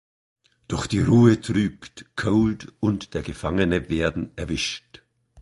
Doch die Ruhe trügt, Cold und der Gefangene werden erwischt.